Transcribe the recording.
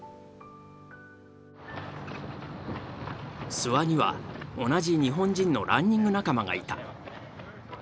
諏訪には同じ日本人のランニング仲間がいた。